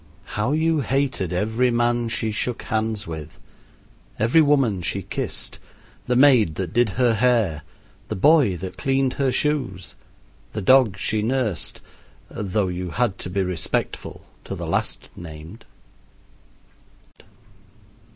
How you hated every man she shook hands with, every woman she kissed the maid that did her hair, the boy that cleaned her shoes, the dog she nursed though you had to be respectful to the last named!